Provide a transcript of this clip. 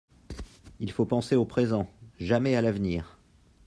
Il faut penser au présent, jamais à l'avenir.